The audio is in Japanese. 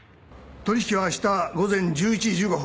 取引は明日午前１１時１５分。